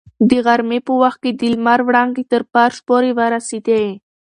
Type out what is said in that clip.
د غرمې په وخت کې د لمر وړانګې تر فرش پورې ورسېدې.